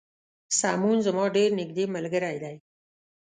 سمون زما ډیر نږدې ملګری دی